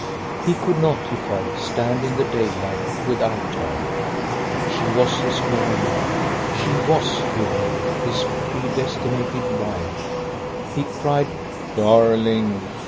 He could not, he felt, stand in the daylight without her. She was his morning. She was, he raved, his predestinated wife. He cried, "Darling!"